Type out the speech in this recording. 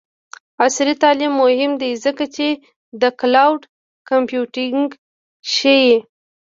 عصري تعلیم مهم دی ځکه چې د کلاؤډ کمپیوټینګ ښيي.